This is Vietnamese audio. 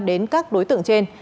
đến các đối tượng trên